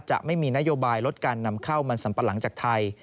จะไม่มีนโยบายลดงานนำเข้ามันสำปรังจากไทย